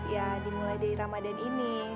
ya dimulai dari ramadan ini